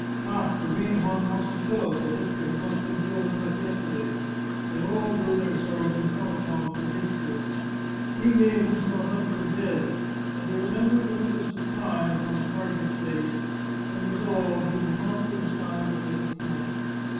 " Ha ! the greenhorn wants to kill us, as if we had not been killed enough yesterday !" They all drew their swords, and fell upon Fabrizio. He gave himself up for dead, but he remembered the look of surprise on the ser 70 The Chartreuse of Parma geant's face, and resolved he would not be despised a second time.